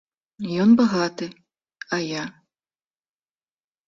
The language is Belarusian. Ён багаты, а я?